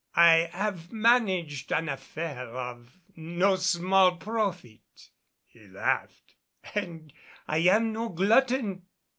"I have managed an affair of no small profit," he laughed, "and I am no glutton."